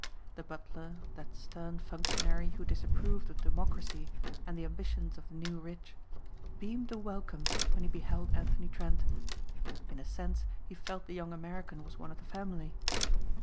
The butler, that stern functionary who disapproved of democracy and the ambitions of the new rich, beamed a welcome when he beheld Anthony Trent. In a sense he felt the young American was one of the family.